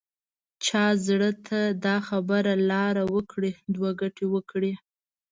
چا زړه ته دا خبره لاره وکړي دوه ګټې وکړي.